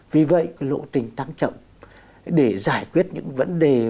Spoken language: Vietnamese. vì vậy lộ trình tăng chậm để giải quyết những vấn đề